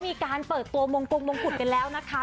มีการเปิดตัวมงกงมงกุฎกันแล้วนะคะ